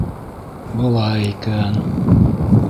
Былай икән...